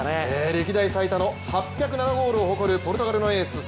歴代最多の８０７ゴールを誇るポルトガルのエース。